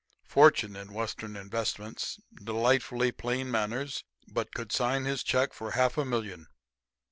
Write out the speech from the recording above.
. fortune in Western investments ... delightfully plain manners, but ... could sign his check for half a million